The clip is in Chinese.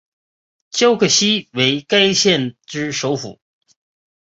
皎克西为该县之首府。